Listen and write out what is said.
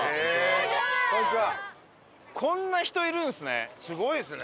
こんな人いるんですね。